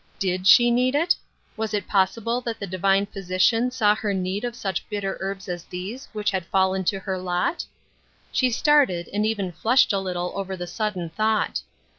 Did she Deed it ? Was it possible that the Divine Physi cian saw her need of such bitter herbs as these which had fallen to her lot ? She started, and even flushed a little over the sudden thought.